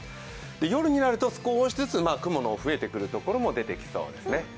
夜になると少しずつ雲の増えてくるところも出てきそうですね。